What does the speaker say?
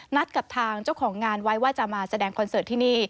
นัดกับทางเจ้าของงานไว้ว่าจะมาแสดงคอนเสิร์ตที่นี่